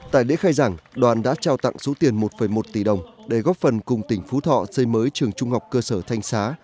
tại lễ khai giảng đoàn đã trao tặng số tiền một một tỷ đồng để góp phần cùng tỉnh phú thọ xây mới trường trung học cơ sở thanh xá